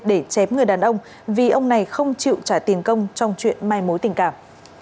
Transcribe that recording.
để chém người đàn ông vì ông này không chịu trả tiền công trong chuyện mai mối tình cảm